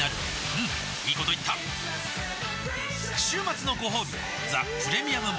うんいいこと言った週末のごほうび「ザ・プレミアム・モルツ」